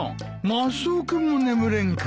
マスオ君も眠れんか。